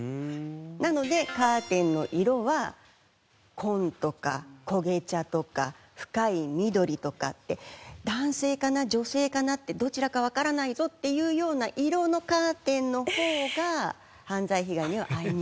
なのでカーテンの色は紺とか焦げ茶とか深い緑とかって男性かな女性かなってどちらかわからないぞっていうような色のカーテンの方が犯罪被害には遭いにくくなります。